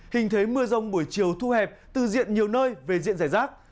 hình thấy mưa rông buổi chiều thu hẹp từ diện nhiều nơi về diện rải rác